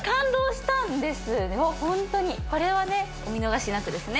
ホントにこれはねお見逃しなくですね。